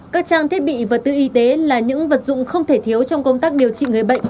các trang thiết bị và tư y tế là những vật dụng không thể thiếu trong công tác điều trị người bệnh